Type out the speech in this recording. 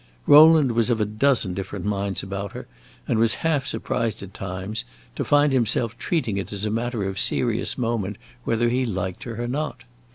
Rowland was of a dozen different minds about her, and was half surprised, at times, to find himself treating it as a matter of serious moment whether he liked her or not.